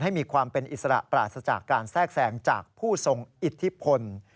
มีความเป็นอิสระปราศจากการแทรกแทรงจากผู้ทรงอิทธิพล